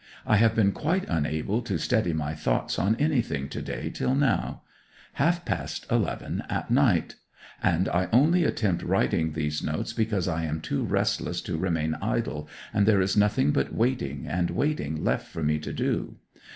I have been quite unable to steady my thoughts on anything to day till now half past eleven at night and I only attempt writing these notes because I am too restless to remain idle, and there is nothing but waiting and waiting left for me to do.